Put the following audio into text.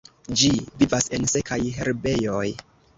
Ĝi vivas en sekaj herbejoj.